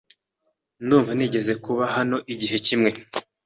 Ndumva nigeze kuba hano igihe kimwe.